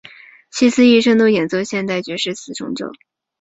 希斯一生都演奏现代爵士四重奏。